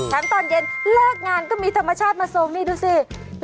ตามตอนเย็นแลกงานก็มีธรรมชาติมาโซมบูรณ์มีวันนี้ดูสิ